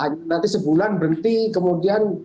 nanti sebulan berhenti kemudian